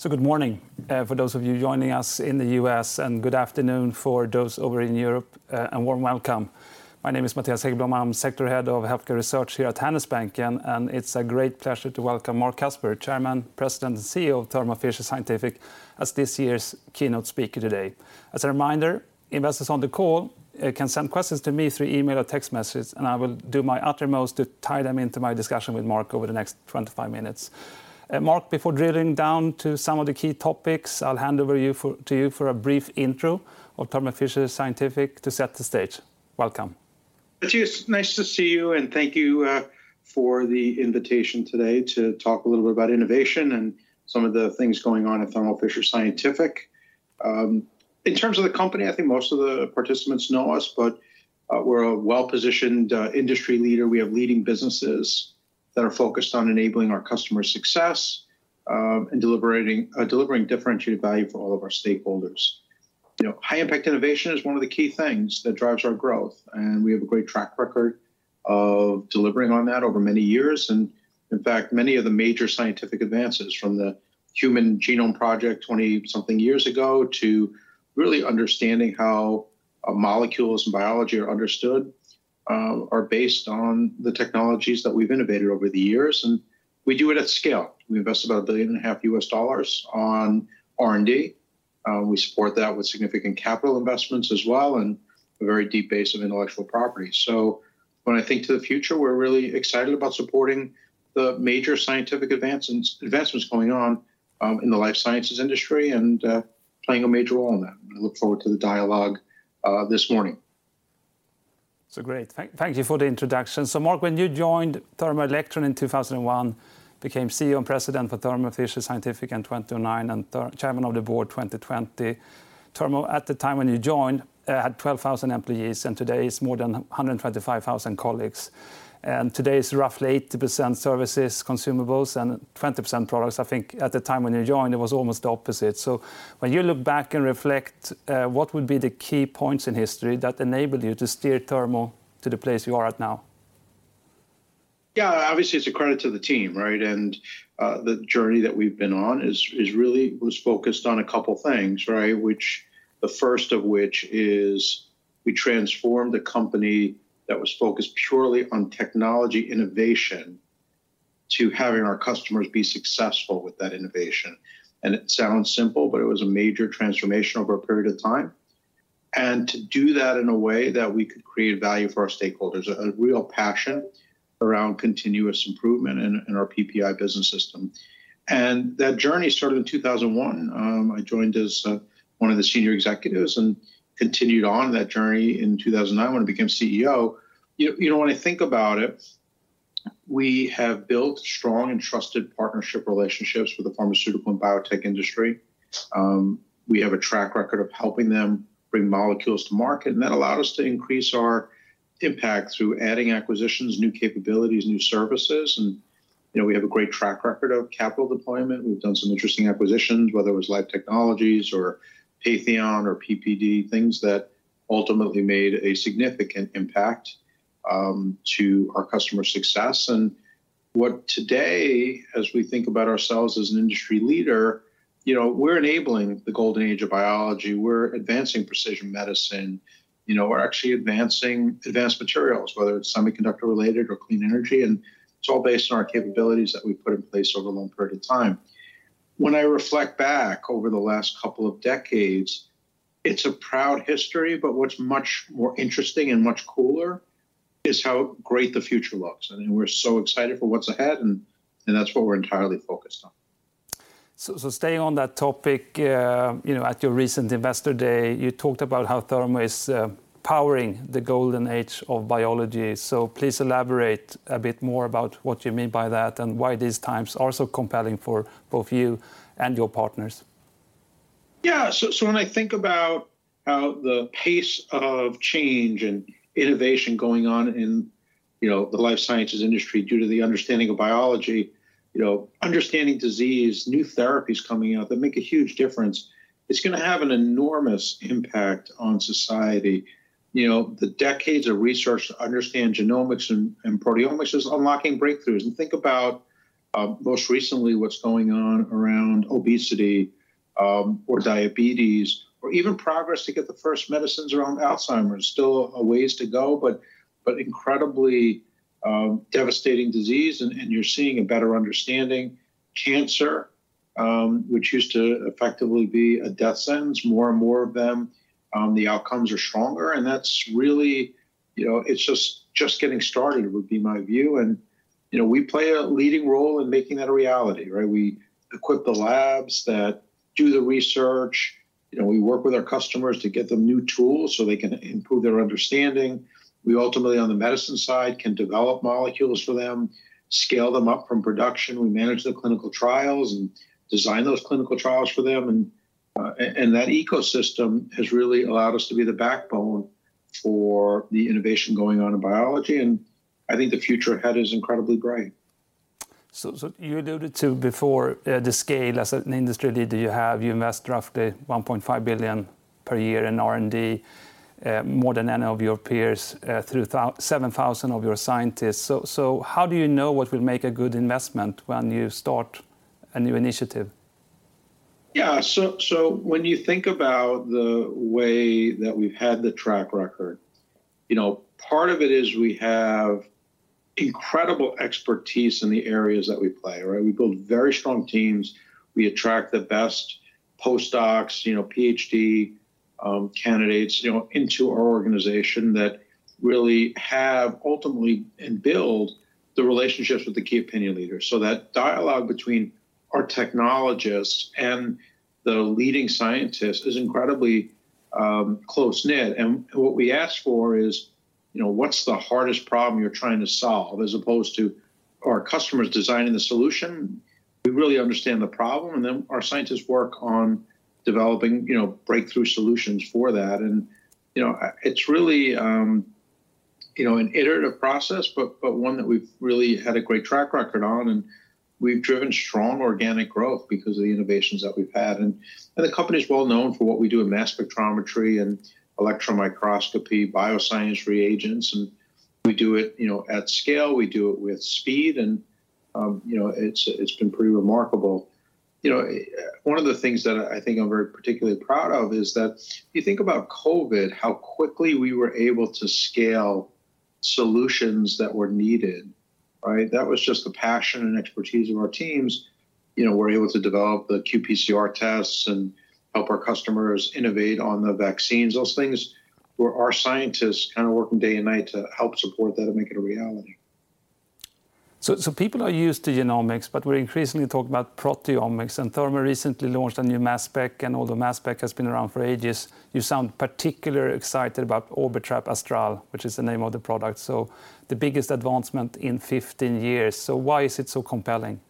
So good morning, for those of you joining us in the U.S., and good afternoon for those over in Europe, and warm welcome. My name is Mattias Häggblom. I'm Sector Head of Healthcare Research here at Handelsbanken, and it's a great pleasure to welcome Marc Casper, Chairman, President, and CEO of Thermo Fisher Scientific, as this year's keynote speaker today. As a reminder, investors on the call, can send questions to me through email or text message, and I will do my uttermost to tie them into my discussion with Marc over the next 25 minutes. Marc, before drilling down to some of the key topics, I'll hand over to you for a brief intro of Thermo Fisher Scientific to set the stage. Welcome. Mattias, nice to see you, and thank you for the invitation today to talk a little bit about innovation and some of the things going on at Thermo Fisher Scientific. In terms of the company, I think most of the participants know us, but we're a well-positioned industry leader. We have leading businesses that are focused on enabling our customers' success, and delivering differentiated value for all of our stakeholders. You know, high-impact innovation is one of the key things that drives our growth, and we have a great track record of delivering on that over many years. In fact, many of the major scientific advances from the Human Genome Project 20-something years ago to really understanding how molecules and biology are understood are based on the technologies that we've innovated over the years, and we do it at scale. We invest about $1.5 billion on R&D. We support that with significant capital investments as well, and a very deep base of intellectual property. So when I think to the future, we're really excited about supporting the major scientific advancements, advancements going on, in the life sciences industry and, playing a major role in that. I look forward to the dialogue this morning. So great. Thank you for the introduction. So Marc, when you joined Thermo Electron in 2001, became CEO and president for Thermo Fisher Scientific in 2009, and Chairman of the Board 2020. Thermo, at the time when you joined, had 12,000 employees, and today it's more than 125,000 colleagues. And today it's roughly 80% services, consumables, and 20% products. I think at the time when you joined, it was almost the opposite. So when you look back and reflect, what would be the key points in history that enabled you to steer Thermo to the place you are at now? Yeah, obviously, it's a credit to the team, right? And the journey that we've been on is really was focused on a couple things, right? Which the first of which is we transformed a company that was focused purely on technology innovation to having our customers be successful with that innovation. And it sounds simple, but it was a major transformation over a period of time. And to do that in a way that we could create value for our stakeholders, a real passion around continuous improvement in our PPI Business System. And that journey started in 2001. I joined as one of the senior executives and continued on that journey in 2009 when I became CEO. You know, when I think about it, we have built strong and trusted partnership relationships with the pharmaceutical and biotech industry. We have a track record of helping them bring molecules to market, and that allowed us to increase our impact through adding acquisitions, new capabilities, new services, and, you know, we have a great track record of capital deployment. We've done some interesting acquisitions, whether it was Life Technologies or Patheon or PPD, things that ultimately made a significant impact to our customer success. And what today, as we think about ourselves as an industry leader, you know, we're enabling the golden age of biology. We're advancing precision medicine. You know, we're actually advancing advanced materials, whether it's semiconductor-related or clean energy, and it's all based on our capabilities that we've put in place over a long period of time. When I reflect back over the last couple of decades, it's a proud history, but what's much more interesting and much cooler is how great the future looks, and we're so excited for what's ahead, and, and that's what we're entirely focused on. So staying on that topic, you know, at your recent Investor Day, you talked about how Thermo is powering the golden age of biology. So please elaborate a bit more about what you mean by that and why these times are so compelling for both you and your partners. Yeah, so, so when I think about how the pace of change and innovation going on in, you know, the life sciences industry, due to the understanding of biology, you know, understanding disease, new therapies coming out that make a huge difference, it's gonna have an enormous impact on society. You know, the decades of research to understand genomics and proteomics is unlocking breakthroughs. And think about, most recently, what's going on around obesity, or diabetes, or even progress to get the first medicines around Alzheimer's. Still a ways to go, but, but incredibly, devastating disease, and you're seeing a better understanding. Cancer, which used to effectively be a death sentence, more and more of them, the outcomes are stronger, and that's really... You know, it's just, just getting started, would be my view. You know, we play a leading role in making that a reality, right? We equip the labs that do the research. You know, we work with our customers to get them new tools so they can improve their understanding. We ultimately, on the medicine side, can develop molecules for them, scale them up from production. We manage the clinical trials and design those clinical trials for them, and that ecosystem has really allowed us to be the backbone for the innovation going on in biology, and I think the future ahead is incredibly bright. So you alluded to before, the scale as an industry leader you have. You invest roughly $1.5 billion per year in R&D, more than any of your peers, through 7,000 of your scientists. So how do you know what will make a good investment when you start a new initiative? Yeah, so, when you think about the way that we've had the track record, you know, part of it is we have incredible expertise in the areas that we play, right? We build very strong teams. We attract the best post-docs, you know, PhD candidates, you know, into our organization that really have ultimately, and build the relationships with the key opinion leaders. So that dialogue between our technologists and the leading scientists is incredibly close-knit, and what we ask for is, you know, "What's the hardest problem you're trying to solve?" As opposed to our customers designing the solution, we really understand the problem, and then our scientists work on developing, you know, breakthrough solutions for that. You know, it's really, you know, an iterative process but one that we've really had a great track record on, and we've driven strong organic growth because of the innovations that we've had. And the company's well known for what we do in mass spectrometry and electron microscopy, bioscience reagents, and we do it, you know, at scale, we do it with speed, and, you know, it's been pretty remarkable. You know, one of the things that I think I'm very particularly proud of is that if you think about COVID, how quickly we were able to scale solutions that were needed, right? That was just the passion and expertise of our teams. You know, we're able to develop the qPCR tests and help our customers innovate on the vaccines. Those things where our scientists kind of working day and night to help support that and make it a reality. So, people are used to genomics, but we're increasingly talking about proteomics, and Thermo recently launched a new mass spec. Although mass spec has been around for ages, you sound particularly excited about Orbitrap Astral, which is the name of the product, so the biggest advancement in 15 years. Why is it so compelling?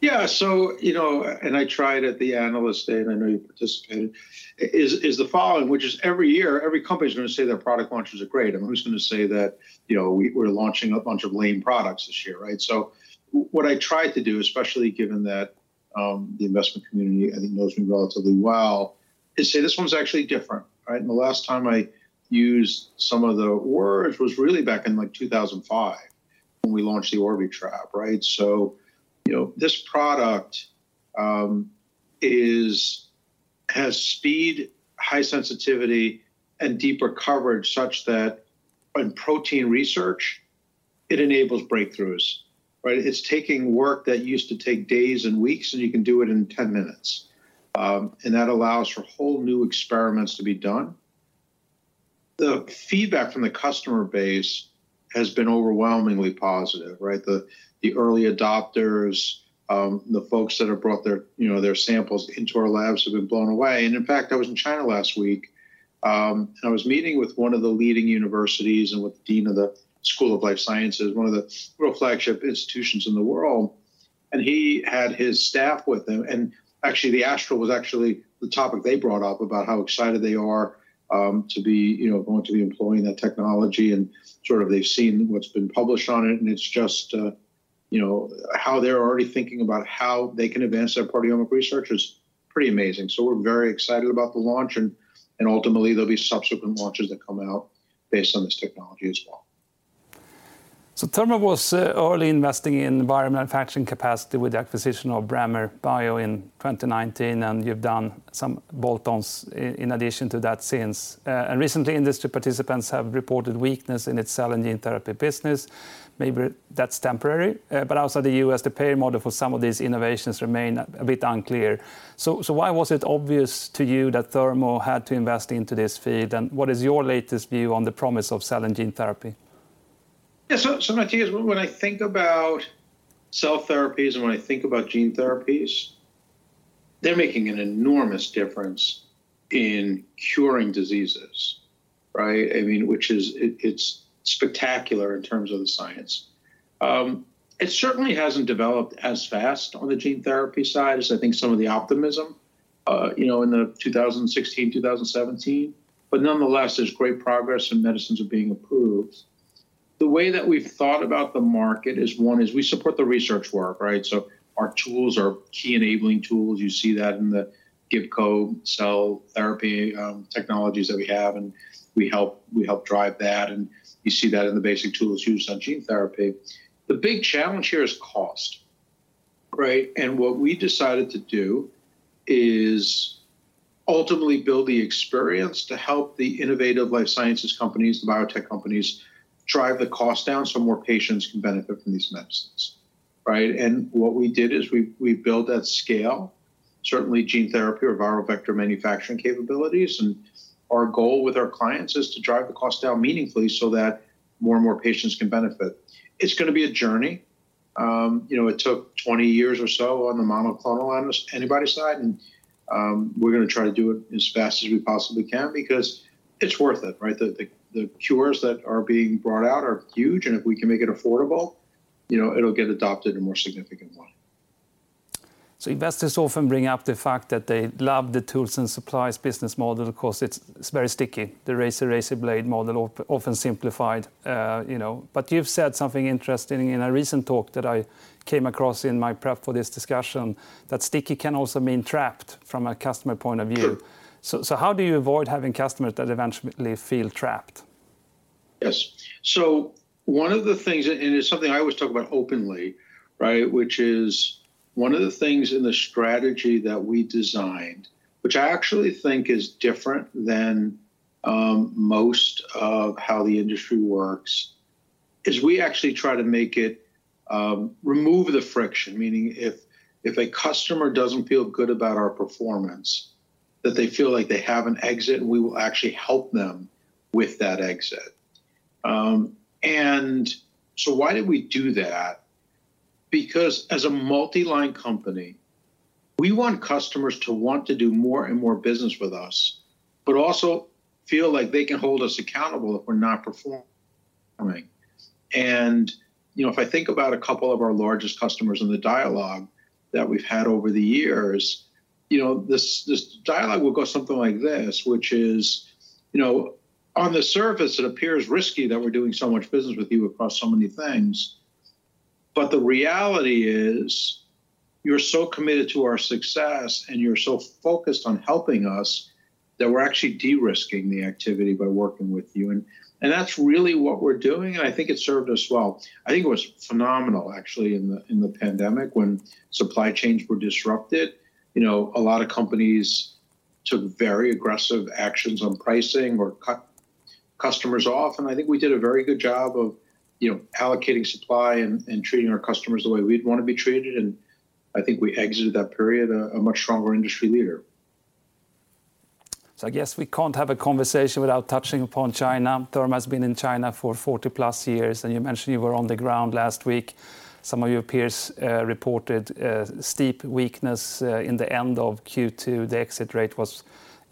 Yeah, so, you know, and I tried at the analyst day, and I know you participated, is, is the following, which is every year, every company is going to say their product launches are great, and who's going to say that, you know, "We're launching a bunch of lame products this year," right? So what I tried to do, especially given that, the investment community, I think, knows me relatively well, is say, "This one's actually different," right? And the last time I used some of the words was really back in, like, 2005, when we launched the Orbitrap, right? So, you know, this product, is... has speed, high sensitivity, and deeper coverage such that in protein research, it enables breakthroughs, right? It's taking work that used to take days and weeks, and you can do it in 10 minutes. And that allows for whole new experiments to be done. The feedback from the customer base has been overwhelmingly positive, right? The early adopters, the folks that have brought their, you know, their samples into our labs have been blown away. And in fact, I was in China last week, and I was meeting with one of the leading universities and with the dean of the School of Life Sciences, one of the real flagship institutions in the world, and he had his staff with him. And actually, the Astral was actually the topic they brought up about how excited they are, you know, going to be employing that technology, and sort of they've seen what's been published on it, and it's just... You know, how they're already thinking about how they can advance their proteomic research is pretty amazing. So we're very excited about the launch, and ultimately, there'll be subsequent launches that come out based on this technology as well. So Thermo was early investing in bio manufacturing capacity with the acquisition of Brammer Bio in 2019, and you've done some bolt-ons in addition to that since. And recently, industry participants have reported weakness in its cell and gene therapy business. Maybe that's temporary, but also the U.S., the pay model for some of these innovations remain a bit unclear. So why was it obvious to you that Thermo had to invest into this field, and what is your latest view on the promise of cell and gene therapy? Yeah, so, so Mattias, when I think about cell therapies and when I think about gene therapies, they're making an enormous difference in curing diseases, right? I mean, which is... It, it's spectacular in terms of the science. It certainly hasn't developed as fast on the gene therapy side as I think some of the optimism, you know, in the 2016, 2017, but nonetheless, there's great progress, and medicines are being approved. The way that we've thought about the market is, one, is we support the research work, right? So our tools are key enabling tools. You see that in the Gibco cell therapy technologies that we have, and we help, we help drive that, and you see that in the basic tools used on gene therapy. The big challenge here is cost, right? And what we decided to do is ultimately build the experience to help the innovative life sciences companies, the biotech companies, drive the cost down so more patients can benefit from these medicines, right? And what we did is we built that scale, certainly gene therapy or viral vector manufacturing capabilities, and our goal with our clients is to drive the cost down meaningfully so that more and more patients can benefit. It's going to be a journey. You know, it took 20 years or so on the monoclonal antibody side, and we're going to try to do it as fast as we possibly can because it's worth it, right? The cures that are being brought out are huge, and if we can make it affordable, you know, it'll get adopted in more significant way. So investors often bring up the fact that they love the tools and supplies business model because it's very sticky, the razor blade model often simplified, you know. But you've said something interesting in a recent talk that I came across in my prep for this discussion, that sticky can also mean trapped from a customer point of view. Sure. So, how do you avoid having customers that eventually feel trapped?... Yes. So one of the things, and it's something I always talk about openly, right? Which is one of the things in the strategy that we designed, which I actually think is different than most of how the industry works, is we actually try to make it remove the friction. Meaning, if a customer doesn't feel good about our performance, that they feel like they have an exit, and we will actually help them with that exit. And so why did we do that? Because as a multi-line company, we want customers to want to do more and more business with us, but also feel like they can hold us accountable if we're not performing. You know, if I think about a couple of our largest customers and the dialogue that we've had over the years, you know, this dialogue will go something like this, which is, "You know, on the surface, it appears risky that we're doing so much business with you across so many things, but the reality is, you're so committed to our success, and you're so focused on helping us, that we're actually de-risking the activity by working with you." And that's really what we're doing, and I think it served us well. I think it was phenomenal, actually, in the pandemic when supply chains were disrupted. You know, a lot of companies took very aggressive actions on pricing or cut customers off, and I think we did a very good job of, you know, allocating supply and treating our customers the way we'd want to be treated, and I think we exited that period as a much stronger industry leader. So I guess we can't have a conversation without touching upon China. Thermo has been in China for 40+ years, and you mentioned you were on the ground last week. Some of your peers reported steep weakness in the end of Q2. The exit rate was,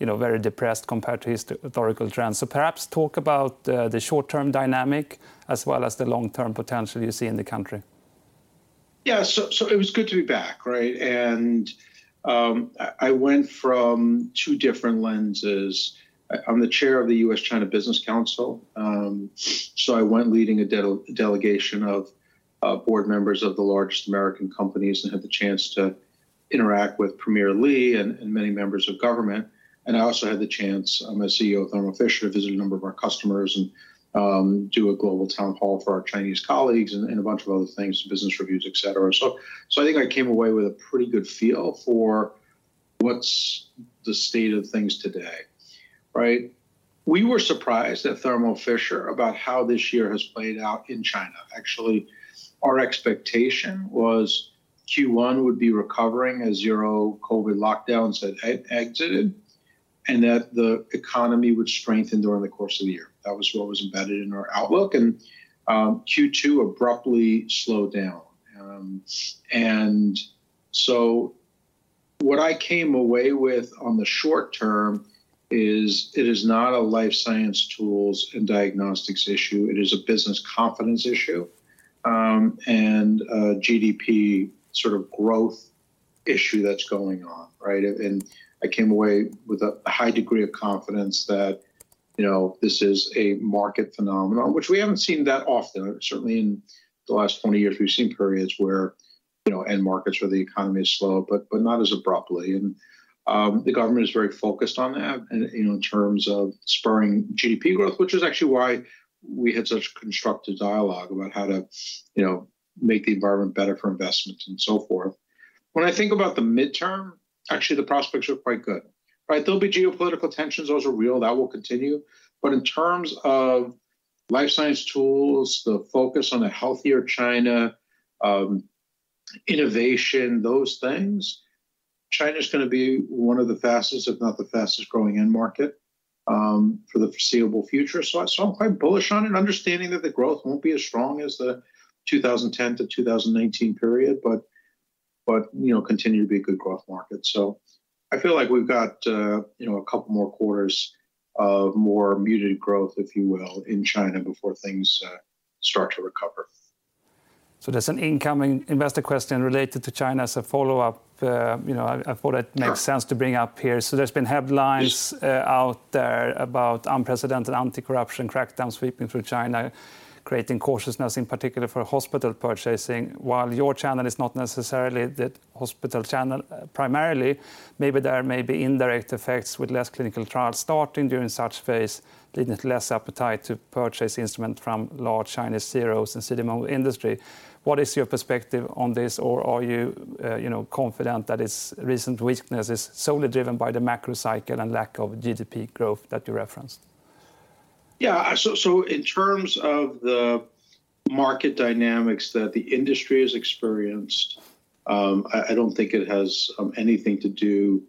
you know, very depressed compared to historical trends. So perhaps talk about the short-term dynamic as well as the long-term potential you see in the country. Yeah, so it was good to be back, right? And I went from two different lenses. I'm the chair of the U.S.-China Business Council. So I went leading a delegation of board members of the largest American companies and had the chance to interact with Premier Li and many members of government. And I also had the chance, as CEO of Thermo Fisher, to visit a number of our customers and do a global town hall for our Chinese colleagues and a bunch of other things, business reviews, et cetera. So I think I came away with a pretty good feel for what's the state of things today, right? We were surprised at Thermo Fisher about how this year has played out in China. Actually, our expectation was Q1 would be recovering as zero COVID lockdowns had exited, and that the economy would strengthen during the course of the year. That was what was embedded in our outlook, and Q2 abruptly slowed down. And so what I came away with on the short term is, it is not a life science tools and diagnostics issue, it is a business confidence issue, and a GDP sort of growth issue that's going on, right? And I came away with a high degree of confidence that, you know, this is a market phenomenon, which we haven't seen that often. Certainly, in the last 20 years, we've seen periods where, you know, end markets or the economy is slow, but not as abruptly. The government is very focused on that and, you know, in terms of spurring GDP growth, which is actually why we had such constructive dialogue about how to, you know, make the environment better for investment, and so forth. When I think about the midterm, actually, the prospects are quite good, right? There'll be geopolitical tensions. Those are real. That will continue. But in terms of life science tools, the focus on a healthier China, innovation, those things, China's gonna be one of the fastest, if not the fastest-growing end market, for the foreseeable future. So I'm quite bullish on it, understanding that the growth won't be as strong as the 2010 to 2019 period, but, you know, continue to be a good growth market. So I feel like we've got, you know, a couple more quarters of more muted growth, if you will, in China before things start to recover. So there's an incoming investor question related to China as a follow-up. You know, I thought it makes sense to bring up here. So there's been headlines out there about unprecedented anti-corruption crackdown sweeping through China, creating cautiousness, in particular for hospital purchasing. While your channel is not necessarily the hospital channel, primarily, maybe there may be indirect effects with less clinical trials starting during such phase, leading to less appetite to purchase instruments from large Chinese CDMOs and CDMO industry. What is your perspective on this, or are you, you know, confident that its recent weakness is solely driven by the macro cycle and lack of GDP growth that you referenced? Yeah, so in terms of the market dynamics that the industry has experienced, I don't think it has anything to do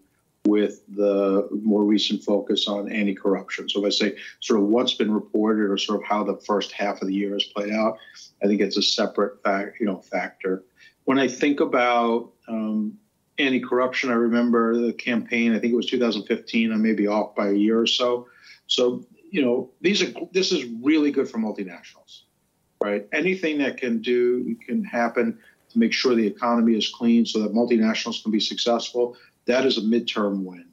with the more recent focus on anti-corruption. So let's say, sort of what's been reported or sort of how the first half of the year has played out, I think it's a separate fac- you know, factor. When I think about anti-corruption, I remember the campaign, I think it was 2015. I may be off by a year or so. So, you know, these are g- this is really good for multinationals, right? Anything that can do, can happen to make sure the economy is clean so that multinationals can be successful, that is a midterm win.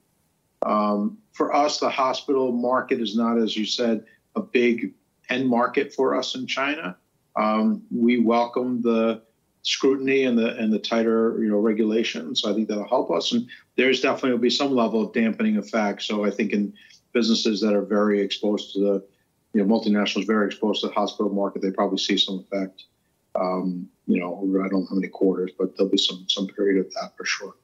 For us, the hospital market is not, as you said, a big end market for us in China. We welcome the scrutiny and the tighter, you know, regulations. I think that'll help us, and there's definitely will be some level of dampening effect. So I think in businesses that are very exposed to the, you know, multinationals, very exposed to the hospital market, they probably see some effect, you know, I don't know how many quarters, but there'll be some period of that for sure.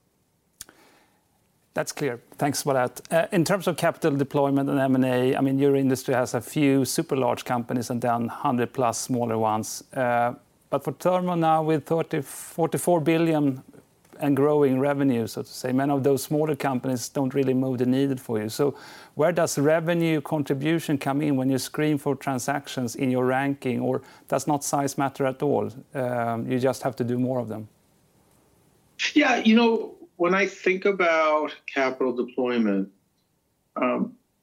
That's clear. Thanks for that. In terms of capital deployment and M&A, I mean, your industry has a few super large companies and then 100+ smaller ones. But for Thermo now, with $34 billion and growing revenues, so to say, many of those smaller companies don't really move the needle for you. So where does the revenue contribution come in when you screen for transactions in your ranking, or does not size matter at all, you just have to do more of them? Yeah, you know, when I think about capital deployment,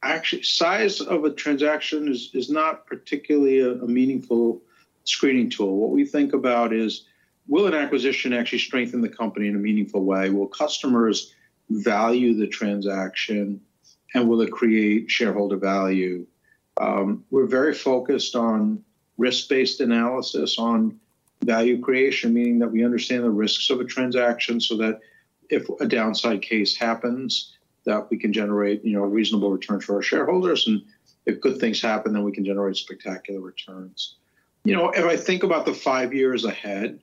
actually, size of a transaction is not particularly a meaningful screening tool. What we think about is, will an acquisition actually strengthen the company in a meaningful way? Will customers value the transaction, and will it create shareholder value? We're very focused on risk-based analysis, on value creation, meaning that we understand the risks of a transaction so that if a downside case happens, that we can generate, you know, a reasonable return for our shareholders, and if good things happen, then we can generate spectacular returns. You know, if I think about the five years ahead,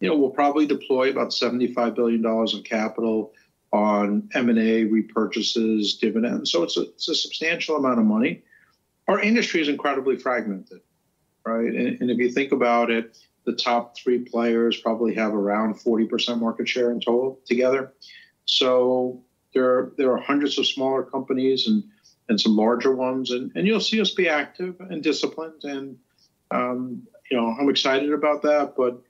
you know, we'll probably deploy about $75 billion of capital on M&A, repurchases, dividends. So it's a substantial amount of money. Our industry is incredibly fragmented, right? If you think about it, the top three players probably have around 40% market share in total together. So there are hundreds of smaller companies and some larger ones, and you'll see us be active and disciplined, you know, I'm excited about that, but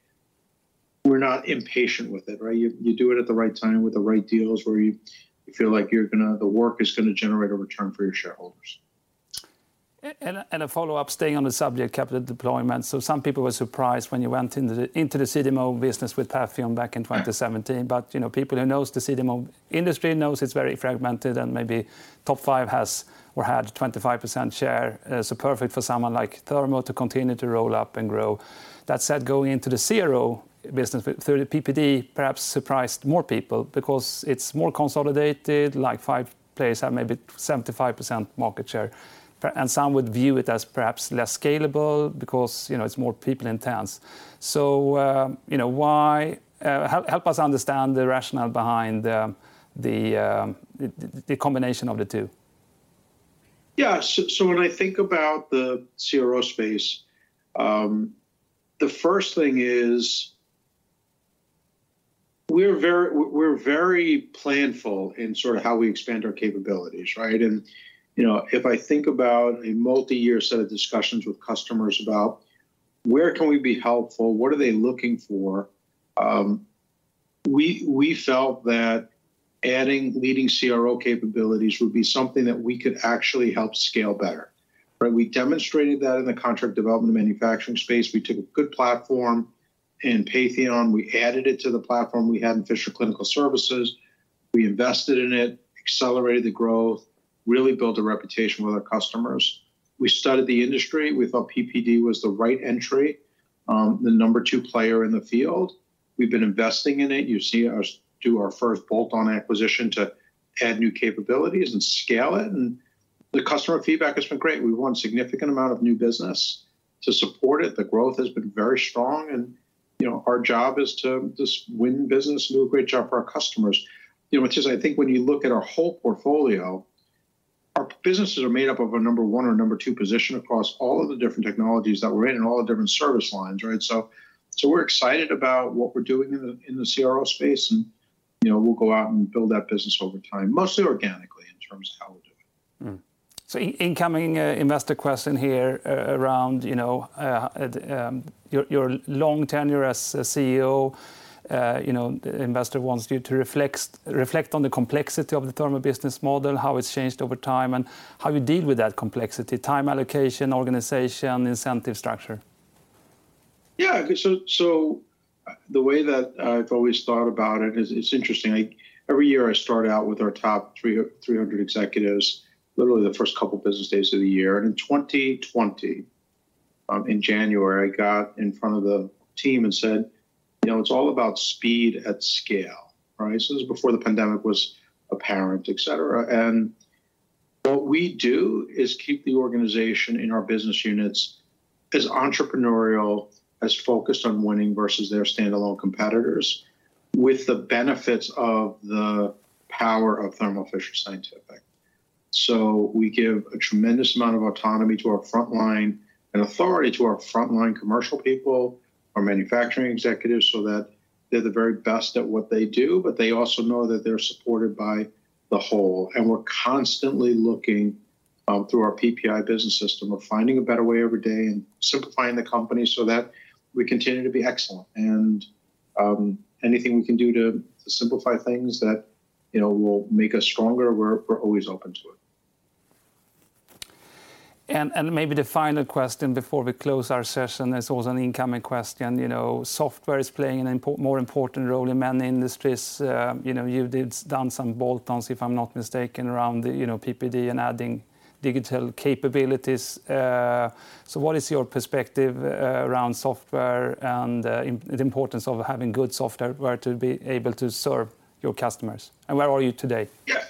we're not impatient with it, right? You do it at the right time with the right deals, where you feel like you're gonna the work is gonna generate a return for your shareholders. A follow-up, staying on the subject of capital deployment. So some people were surprised when you went into the CDMO business with Patheon back in 2017. Yeah. But, you know, people who knows the CDMO industry knows it's very fragmented, and maybe top five has or had 25% share. So perfect for someone like Thermo to continue to roll up and grow. That said, going into the CRO business with PPD perhaps surprised more people because it's more consolidated, like, five players have maybe 75% market share, and some would view it as perhaps less scalable because, you know, it's more people intense. So, you know, why help us understand the rationale behind the combination of the two. Yeah. So when I think about the CRO space, the first thing is we're very planful in sort of how we expand our capabilities, right? And, you know, if I think about a multi-year set of discussions with customers about where can we be helpful, what are they looking for, we felt that adding leading CRO capabilities would be something that we could actually help scale better, right? We demonstrated that in the contract development and manufacturing space. We took a good platform in Patheon, we added it to the platform we had in Fisher Clinical Services. We invested in it, accelerated the growth, really built a reputation with our customers. We studied the industry. We thought PPD was the right entry, the number two player in the field. We've been investing in it. You see us do our first bolt-on acquisition to add new capabilities and scale it, and the customer feedback has been great. We've won significant amount of new business to support it. The growth has been very strong and, you know, our job is to just win business and do a great job for our customers. You know, which is, I think when you look at our whole portfolio, our businesses are made up of a number one or number two position across all of the different technologies that we're in and all the different service lines, right? So, so we're excited about what we're doing in the, in the CRO space, and, you know, we'll go out and build that business over time, mostly organically, in terms of how we're doing it. So incoming investor question here around, you know, your long tenure as CEO. You know, the investor wants you to reflect on the complexity of the Thermo business model, how it's changed over time, and how you deal with that complexity, time allocation, organization, incentive structure. Yeah. So the way that I've always thought about it is, it's interesting, like, every year I start out with our top 300 executives, literally the first couple business days of the year. And in 2020, in January, I got in front of the team and said, "You know, it's all about speed at scale," right? So this is before the pandemic was apparent, et cetera. And what we do is keep the organization in our business units as entrepreneurial, as focused on winning versus their standalone competitors, with the benefits of the power of Thermo Fisher Scientific. So we give a tremendous amount of autonomy to our frontline and authority to our frontline commercial people, our manufacturing executives, so that they're the very best at what they do, but they also know that they're supported by the whole. We're constantly looking through our PPI Business System. We're finding a better way every day and simplifying the company so that we continue to be excellent. Anything we can do to simplify things that, you know, will make us stronger, we're always open to it. Maybe the final question before we close our session, this was an incoming question. You know, software is playing a more important role in many industries. You know, you done some bolt-ons, if I'm not mistaken, around, you know, PPD and adding digital capabilities. So what is your perspective around software and the importance of having good software to be able to serve your customers, and where are you today? Yeah.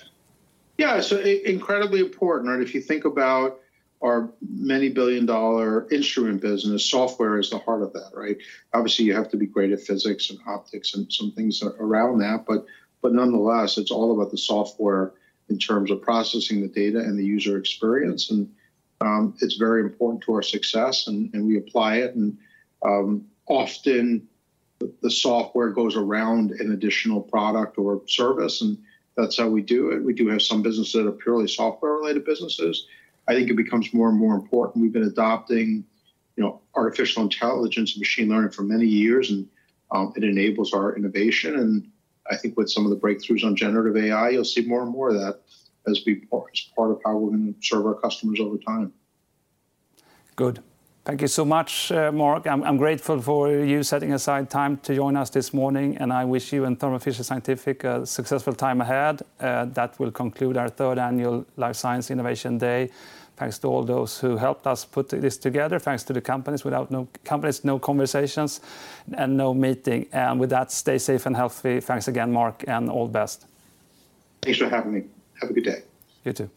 Yeah, so incredibly important, right? If you think about our many billion-dollar instrument business, software is the heart of that, right? Obviously, you have to be great at physics and optics and some things around that, but, but nonetheless, it's all about the software in terms of processing the data and the user experience. And, it's very important to our success, and, and we apply it, and, often the, the software goes around an additional product or service, and that's how we do it. We do have some businesses that are purely software-related businesses. I think it becomes more and more important. We've been adopting, you know, artificial intelligence and machine learning for many years, and it enables our innovation, and I think with some of the breakthroughs on generative AI, you'll see more and more of that as part of how we're going to serve our customers over time. Good. Thank you so much, Marc. I'm grateful for you setting aside time to join us this morning, and I wish you and Thermo Fisher Scientific a successful time ahead. That will conclude our third annual Life Science Innovation Day. Thanks to all those who helped us put this together. Thanks to the companies. Without no companies, no conversations and no meeting. With that, stay safe and healthy. Thanks again, Marc, and all the best. Thanks for having me. Have a good day. You too.